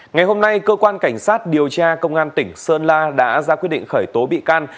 ngày hôm nay cơ quan cảnh sát điều tra công an tỉnh sơn la đã ra quyết định khởi tố bị can